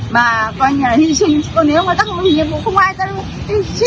mà con như là hy sinh còn nếu mà các đồng chí